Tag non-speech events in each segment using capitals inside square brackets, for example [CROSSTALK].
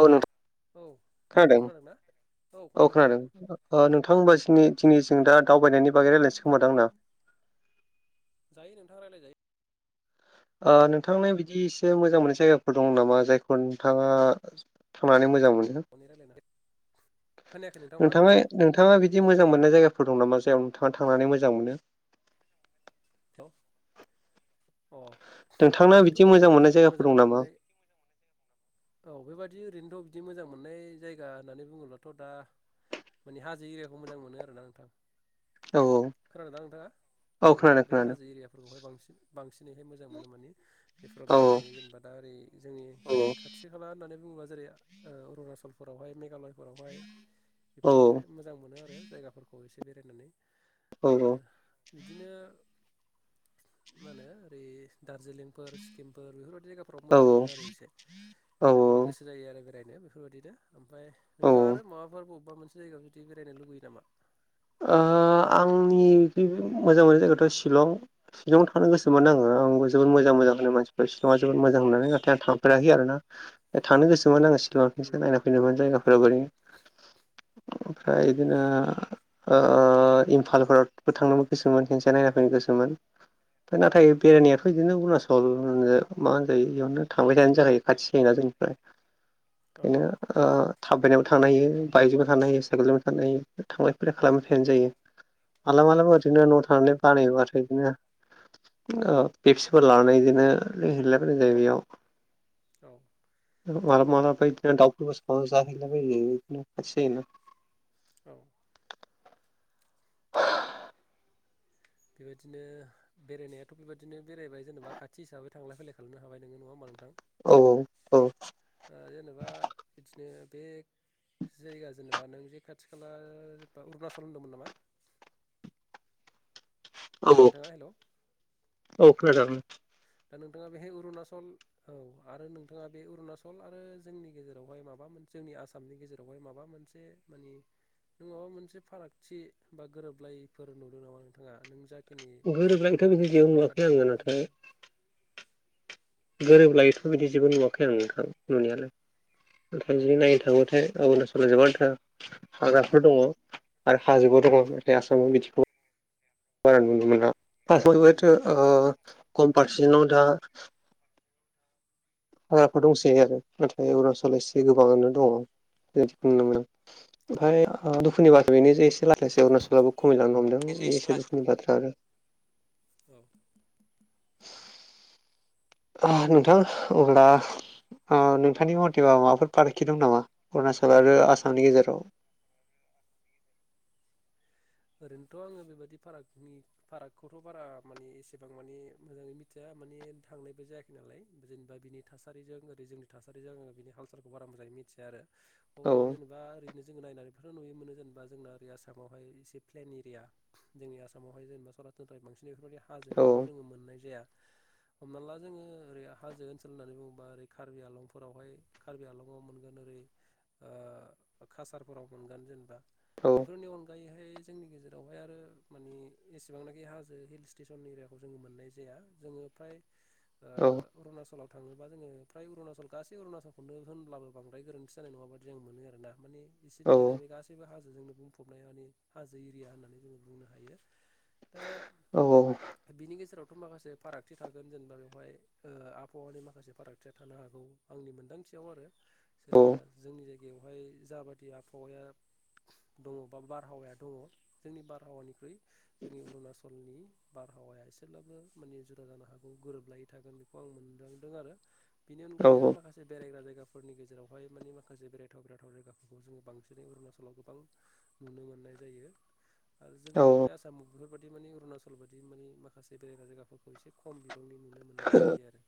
औ नोंथां औ नोंथां खोनादों ना औ खोनादों नोंथां अ होनबा जोंनि जोंनि जों दा दावबायनायनि बागै रायलायसै खोमा ना नोंथां [INAUDIBLE] जायो नोंथां राय्लायजायो ओ नोंथांनि बिदि एसे मोजां मोननाय जायगाफोर दं नामा जायखौ नोंथाङा संनानै मोजां मोनो गनै रायलायनानै खोनायाखै नोंथां मा नोंथाङा होनदोंमोन? नोंथाङा बिदि मोजां मोननाय जायगाफोर दं नामा जायाव नोंथाङा थांनानै मोजां मोनो? हेलौ अ' नोंथांना बेबादिथ' बिदि मोजां मोननाय ओरैनो जायगाफोर मोजां दं नामा मोननाय। औ बेबादि ओरैनोथ' बिदि मोजां मोननाय जायगा होननानै बुङोब्लाथ' दा माने हाजो एरियाखौ मोजां मोनो आरोना नोंथां औ खोनादों ना नोंथाङा? औ उम खोनादों बै खोनादों हाजो एरियाफोरखौहाय बांसिन-बांसिनैहाय मोजां मोनो माने। बेफोराव औ बेरायनानै जेनेबा दा ओरै जोंनि औ थि खाला होननानै बुङोब्ला जेरै- ओ अरुनाचलफोरावहाय मेघालय। फोरावहाय औ बेफोराव बे मोजां मोनो आरो जायगाफोरखौ एसे बेरायनानै औ आरो बिदिनो मा होनो ओरै दार्जिलिं फोर सिक्किमफोर बेफोरबायदि जायगाफोराव औ मोजां मोनो आरो एसे औ औ माने गोसो जायो आरो बेरायनो बेफोरबायदिनो ओमफ्राय औ नोंथाङा औ आरो माबाफोर बबेबा मोनसे जायगायाव जुदि बेरायनो लुबैयो नामा ओ आंनि मोजां मोननाय जायगायाथ' सिलं शिलंआव थांनो गोसोमोन आङो आंबो जोबोद मोजां-मोजां होनो मानसिफोर शिलंआव जोबोद मोजां होननानै नाथाय आं थांफेराखै आरो ना ओ थांनो गोसोमोन आङो सि बिमार फंस उम नायना फैनोमोन जायगाफोरा बोरै ओमफ्राय उम बिदिनो ओ इमफालफोरबो थांनोबो गोसोमोन खेनसे नायना फैनो गोसोमोन फ्राय नाथाय उम बेरायनायाथ' उम बिदिनो अरुणाचल मा होन जायो बेयावनो थांबाय थानायानो जाखायो खाथि जायोना जोंनिफ्राय। औ बिनो थाबायनायबो थांनो हायो बाइकजोंबो थां हायो साइकेलजोंबो थानो हायो थांला बे खालामबाय औ थानो जायो मालाबा माब्लाबा ओरैनो न' थानानै बानायो आरो इदिनो। ओ पेपसिफोर लानानै इदिनो लोंहैला बायनाय जायो बेयाव। औ। ओ मालाबा-मालाबा बै दाउफोर सावना जाहैला बायो [INAUDIBLE] औ। बेबायदिनो। बेरायनायाथ' बेबायदिनो बेरायबाय जेनेबा खाथि हिसाबै थांलाय फैयलाय खालामनो हाबाय नोंङो नङा होमबा नोंथां? औ-औ-औ। ओ जेनेबा बिदिनो बे जायगा जेनेबा नों जे खाथि खाला जेनेबा अरुणचल होनदोंमोन नामा? नोंथाङा हेलौ औ-औ खोना‌ जागोन। दा नोंथाङा बेहाय अरुणाचल। औ आरो नोंथाङा बे अरुणाचल आरो जोंनि गेजेरावहाय माबा मोन जोंनि आसामनि गेजेरावहाय माबा मोनसे। से मानि। नों माबा मोनसे फारागथि बा गोरोबलायिफोर नुदों नामा नोंथाङा नों जा खिनि गोरोबलायथ' ओ बिदि जेबो थांबाय नुवाखै थादों आङो जे नाथाय बेबो गोरोबलायिथ' बिदि जेबो नुवाखै आं नोंथां नुनायालाय। नोंथां औ जुदि नायनो थांबाथाय अरुणाचलाव गोबांथार हाग्राफोर दङ। आरो हाजोबो उम दङ आसामाव बिदिखौ बारा नुनो मोना फासाबोथ' उम ओ कम फारसेनाव दा हाग्राफोर दंसोयो आरो नाथाय अरुणाचलाव एसे गोबाङानो उम दङ बेदिखौ नुनो [INAUDIBLE] ओमफ्राय औ ओ दुखुनि बाथो बेनो जे लासै-लासै अरुणाचलावबो खमायलनो हमदों बे एसे दुखुनि बाथ्रा आरो। औ। ओ नोंथां अब्ला। ओ नोंथांनि मथेबा माबाफोर फाराखि दं नामा अरुणाचल आरो आसामनि गेजेराव? ओरैनोथ' आङो बेबायदि फारागनि फारागखौथ' बारा मानि एसेबां माने मोजाङै मिथिया माने थांनायबो जाया खै नालाय जेनेबा बिनि थासारिजों ओरै जोंनि थासारिजों आङो बिनि हालसालखौ बारा मोजाङै मिथिया आरो। अब्लाबो औ जेनेबा ओरैनो जोङो नायनानैफोरनो नुयो मोनो जेनेबा जोंना ओरै आसामावहाय एसे प्लेन एरिया जोंनि आसामावहाय जेनेबा सरासनस्रा बांसिनै बेफोरबायदि हाजोफोरखौ औ जोङो मोननाय जाया। हमना ला जोङो ओरै हाजो ओनसोल होननानै बुङोबा ओरै कार्बि आलंफोरावहाय कार्बि आलंआव मोनगोन ओरै ओ कासारफोराव मोनगोन जेनेबा बेफोरनि अनगायैहाय जोंनि गेजेरावहाय आरो मानि एसेबांनाखि हाजो हिल स्टेसन एरियाखौ जोङो मोननाय जाया जोङो फ्राय [UNINTELLIGIBLE] ओ अरुणाचलाव थाङोबा जोङो फ्राय अरुणाचल गासै अरुणाचलखौनो होनब्लाबो बांद्राय गोरोन्थि जानाय नङाबादि जों मोनो आरोना माने औ बिसोरनिया जाहैबाय गासैबो हाजोजोंनो बुंफबनाय माने हाजो एरिया होननानै जोङो बुंनो हायो। दा औ बिनि गेजेरावथ' माखासे फारागथि थागोन जेनेबा बेवहाय ओ आबहावानि माखासे फारागथिया थानो हागौ आंनि मोनदांथियाव आरो। जेनेबा औ जोंनि जायगायावहाय जाबादि आबहावाया दङबा बारहावाया दङ जोंनि बारहावानिख्रुइ जोंनि अरुणाचलनि बारहावाया एसेब्लाबो माने जुदा जानो हागौ गोरोबलायै थागोन बेखौ आं मोनदांदों आरो। बेनि औ अनगायै आरो माखा जे बेरायग्रा जायगाफोरनि गेजेरावहाय मानि माखासे बेरायथाव बेरायथाव जायगाफोरखौ जोङो बांसिनै अरुणाचलाव गोबां नुनो मोननाय जायो आरो जोंनियावहाय आसा माव बेफोरबाददि माने अरुणाचल बायि माने माखासे बेरायग्रा जायगाफोरखौ एसे खम बिबांनि नुनो मोनो। नाय जायो आरो।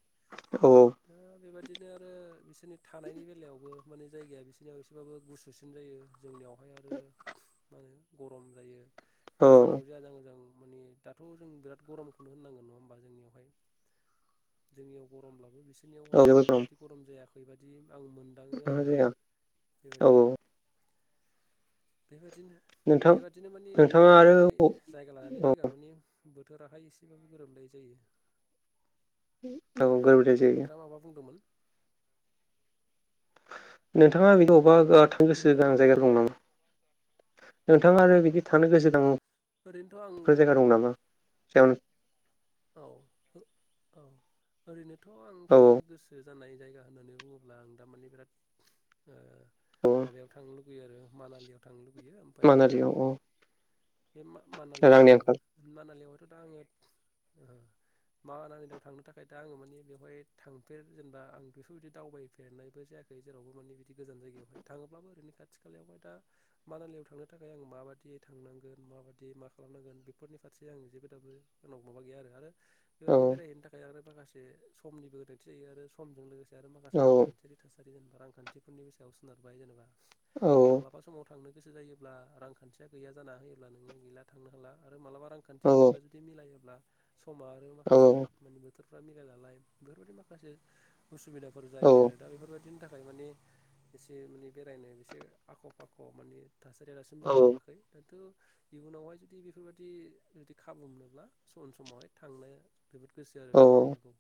दा बेबदिनो आरो बिसोरनि थानायनि बेलायावबो माने जायगाया बिसोरनियाव एसेबाबो गुसुसिन जायो। जोंनियावहाय आरो मा होनो गरम जायो दा जोंनियाव जे आजां-गाजां माने दाथ' जों बिराद गरमखौनो होननांगोन नङा होमबा जोंनियावहाय जोंनियाव गरमब्लाबो बिसो औ बिनियावहायथ' बेबायादि गरम जायाखै बदि आं मोन दों आरो बेबादि औ बेबायदिनो नोंथां बेबादिनो माने नोंथाङा आरो जोंनियावहाय जायगा लानानै औ जायगा माने बोथोराहाय एसेबाबो गोरोबलायि जायो। औ गोरोबलाय आरो जायो नोंथाङा माबा बुंदोंमोन? नोंथाङा बेदि अबेबा थांनो गोसो नोंथाङा गोनां माबा जायगा दं बुंदोंमोन नामा? नोंथाङा आरो बिदि थानो गोसो ओरैनोथ' आं गोनांफोर जायगा दं नामा? [UNINTELLIGIBLE] औ-औ ओरैनोथ' आं थांनो औ गोसो जानाय जायगा होननानै बुङोब्ला आं दामाने बिराद ओ अ माबायाव थांनो लुगैयो आरो मानालियाव। थांनो लुबैयो ओमफ्राय दा मानालियाव औ बे मा- रांनि मानालियावहाय आंखाल मानालियावायथ' दा आङो ओ मानालियाव थांनो थाखाय दा आङो माने बेवहाय थांफेर जेनेबा आं बेफोर बिदि दावबायफेरनायबो जाया खैर जेरावबो माने बिदि गोजान जायगायावाय थाङोब्लाबो ओरैनो खाथि खालायावहाय दा मानालियाव थांनो थाखाय आं माबादि थांनांगोन माबायदि मा खालामनांगोन बेफोरनि फारसे आं जेबो दाबो जोंनाव माबा गैया आरो औ बेबदि बेरायहैनो थाखाय आरो माखासे समनिबो गोनांथि जायो आरो समजों लोगो से आरो माखासे औ रांखान्थियारि थासारि जेनेबा रांखान्थिफोरनि बे सायाव सोनारबाय जेनेबा। औ मालाबा समाव थांनो गोसो जायोब्ला रांखान्थिया गैया जाना होयोब्ला नोङो गैला थांनो हाला मालाबा रां औ खान्थिया बोरैबा जुदि मिलायोब्ला। समा आरो माखासे माने बोथोरफ्रा मिलाया नालाय बेफोरबायदि माखासे उसुबिदाफोर औ जायो आरो दा बेफोरबायदिनि थाखाय माने एसे माने बेरायनो एसे आख' फाख' माने थासारिया दासिमबो औ गोरोबाखै। दाथ' इयुनावहाय जुदि बेफोरबायाददि जुदि खाबु मोनोब्ला सम समावहाय। थांनो जोबोद गोसो आरो थांनो हागौ।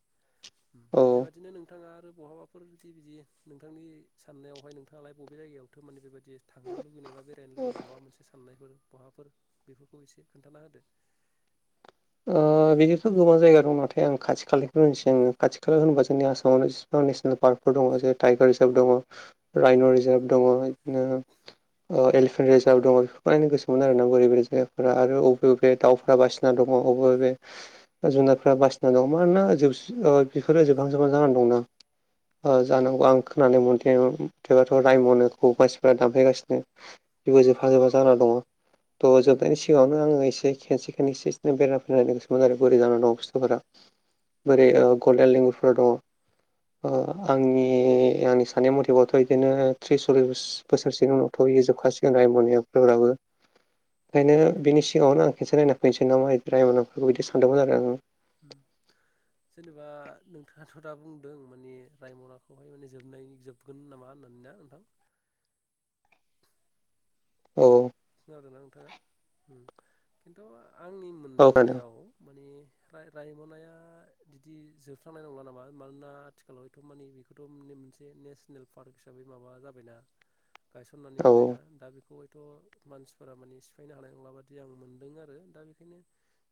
उम। औ बेबायदिनो नोंथाङा आरो बहाबाफोर बिदि‌ बिदि नोंथांनि साननायावहाय नोंथाङालाय बबे जायगायाव थार मानि बेबायदि थांनो लुुबैनाय बा बेरायनो लुगैनाय माबा मोनसे साननायफोर बहाफोर बेफोरखौ एसे खोन्थाना होदो। ओ बिदिथ' गोबां जायगा दं। नाथाय आं खाथि खालानिखौ होनसै, आङो खाथि खाला होनोबा जोंनि आसामावनो गोबां नेसनेल पार्कफोर दङ', जेरै टाइगार रिजार्भ दङ', रायन' रिजार्भ औ दङ', बिदिनो ओ एलिफेन्ट रिजार्भ दङ'। बेफोरखौ नायनो गोसोमोन आरोना बोरै बोरै जायगाफोरा आरो अबे अबे दाउफोरा बासि ना दङ' अबे अबे जुनारफ्रा बासिना दं मानोना जोब-बेफोरो जोबहां-जोबहां जानानै दंना। ओ उम जानांगौ उम आं होननानै मोन मोनथिबाथ' रायमनोखौ मानसिफ्रा दामफायगासिनो जेबो जोबफा जोबा जाना दङ। थ' जोबनायनि उम सिगाङावनो आङो एसे खेनसे खनै एसे एनै बेरा फैनानै गो सो बोरै जानानै दङ बुस्थुफोरा औ बोरै औ गल्डेन लेंंगुरफोर दङ। अ आंनि-आंनि सानै मथेबावथ' बिदिनो थ्रिस सललिस बो बोसोर सिगांङावथ' इयो जोबखाासिगोन रायमनायाबो। ओंखायनो बिनि सिगाङावनो आं खनसे नायना फैनोसै नामा रायमनाखौ बिदि सानदोंमोन आरो आङो। [INAUDIBLE] जेनेबा नोंथाङाथ' दा बुंदों माने रायमनाखौहाय माने जोबनाय जोब गोन नामा होननानै ना नोंथां? अ। खोनादोंना नोंथाङा? ओम खिन्थु आंनि औ खोनादों मोन्दांनायाव माने रा-रायमनाया बिदि जोबस्रांनाय नंला नामा, मानोना आथिखालायाव बेखो माने बेखौथ' माने मोनसे नेसनेल पार्क हिसाबै माबा जाबायना। [INAUDIBLE] गायसननानै औ होबायना, दा बेखौ हायथ' मानसिफोरा माने सिफायनो हानाय नंला बादि आं मोन्दों आरो। दा बेखायनो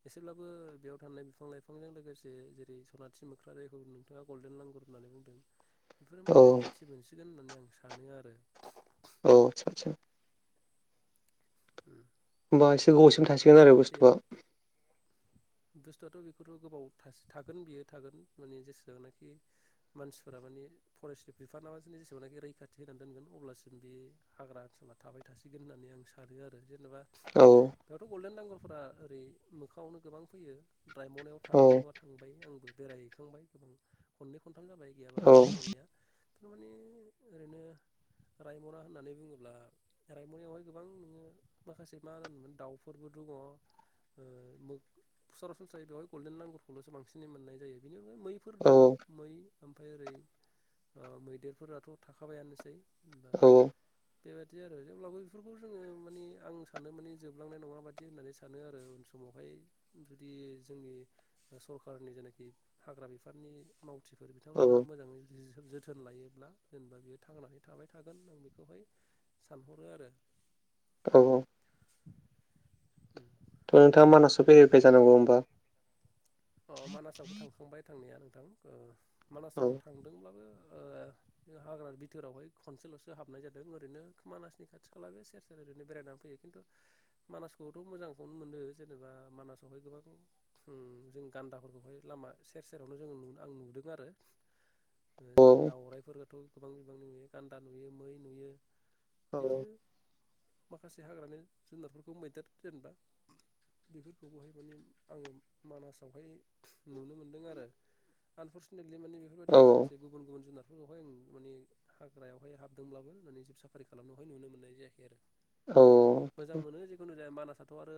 एसेब्लाबो बेयाव थानाय बिफां लाइफांजों लोगोसे जेरै सनाथि मोख्रा, जायखौ होनो नोंथाङा गोल्डेन लांगुर होननानै बुंदों। [INAUDIBLE] बेफोरो माने रैखाथि मोनसिगोन होननानै आं सानो आरो। औ आतछा आतछा। ओम। होम्बा एसे गोबावसिम थासिगोन आरो बुस्थुआ। बुस्थुआथ बेखौथ' गोबाव थासि थागोन बियो थागोन माने जेसेबांनाखि मानसिफोरा माने फरेस्टनि बिफाना मा जिस जेसेबांना रैखाथि होनानै दोनगोन अब्लासिम बि हाग्रा ओनसोला थाबाय थासिगोन होननानै आं सानो आरो। जेनेबा औ। दाथ' गल्डेन लांगुरफ्रा ओरै मोखाङावनो गोबां फैयो। राइमनायाव औ थाङाखै नङा थांबाय आंबो बेरायहैखांबाय गोबां खननै खनथाम जाबाय। औ गैयाबाबो थांनाया, थारमाने ओरैनो रायमना होननानै बुङोब्ला रायमनायावहाय गोबां नोङो माखासे मा होनोमोन दाउफोरबो दङ'। ओ मो सरासनस्राय बेवहाय गोल्डेन लंगूर खौल'सो बांसिनै मोननाय जायो। बेनि अनगायै मैफोर दङ औ मै ओमफ्राय ओरै मैदेर फोरा थ' थाखा बायङानोसै होमबा। औ बेबायादि आरो जेब्लाबो बेफोरखौ जोङो माने आं सानो माने जबलांनाय नङा बादि होननानै सानो आरो अनस समावहाय जुदि जोंनि सरकारनि जेनाखि हाग्रा बिफांनि माव थिफोर बिथां औ मोना मोजाङै जि-जोथोन लायोब्ला जेनेबा बियो थांनानै थाबाय थागोन आं बेखौहाय सानहरो आरो औ औ। उम। थ' नोंथाङा मानासाव फैफेरबाय जानांगौ होम्बा। अ मानासावबो थांखांबाय थांनाया नोंथां ओ औ मानासाव थांदोंब्लाबो ओ हाग्रा बिथोरावहाय खनसेल'सो हाबनाय जादों ओरैनो मानासनि खाथि खाला बे सेर सेर ओरैनो बेरायनानै फैयो। खिन्थु मानसखौथ' मोजांखौनो मोनो जेनेबा मानसावहाय गोबां जों गान्दाफोरखौहाय लामा सेर सेरावनो जों आं नुदों आरो। औ दाउराइफोरखौथ' गोबां गोबां नुयो गान्दा नुयो मै नुयो। बिदिनो माखासे हाग्रानि जुनारफोरखौ मैदेर जेनेबा बेफोर अबेहाय माने आं मानसावहाय थु नुनो मोनदों आरो। आनफरसुनेटलि माने बेफोरबायदि औ माखासे गुबुन गुबुन जुनारफोरखौहाय उम माने हाग्रायावहाय हाबदोंब्लाबो मानि जिब साफारि खालामनायावहाय नुनो मोननाय जायाखै आरो। औ मोजां मोनो जिखुनु जाया मानसथ' आरो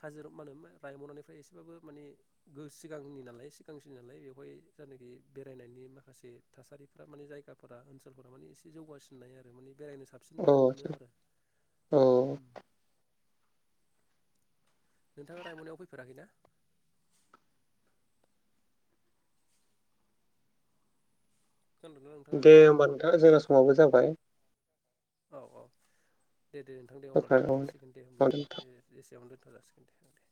काजिरा माने मा रायमानानिफ्राय एसेबाबो माने गो सिगांनि नालाय सिगांसो नालाय बेवहाय जायनाखि बेरायनायनि माखासे थासारिफोरा माने जायगाफोरा ओनसोलफोरा माने एसे जौगासिननाय आरो माने बेरायनो सा साबसिन औ बादि मोनो आरो। औ थाङा रायमनायाव फैे फेराखै ना? खोनादोंना नोंथाङा दे होमबा नोंथां जोंना समावबो जाबाय। औ औ दे दे नोंथां दे औ अब्ला दे जाथ'सिगोन दे होमब्ला। ओ एसेयावनो दोनथ' जासिगोन दे ओं दे।